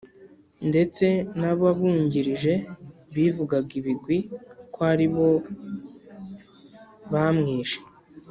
ndetse n'ababungirije bivugaga ibigwi ko ari bo bamwishe.